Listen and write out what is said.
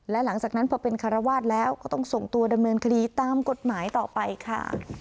และหลังจากนั้นพอเป็นคารวาสแล้วก็ต้องส่งตัวดำเนินคดีตามกฎหมายต่อไปค่ะ